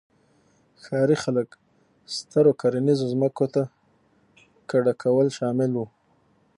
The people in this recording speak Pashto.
ښاري خلک سترو کرنیزو ځمکو ته کډه کول شامل وو